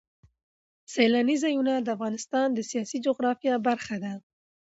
سیلانی ځایونه د افغانستان د سیاسي جغرافیه برخه ده.